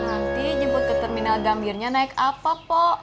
nanti jemput ke terminal gambirnya naik apa po